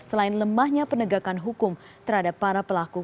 selain lemahnya penegakan hukum terhadap para pelaku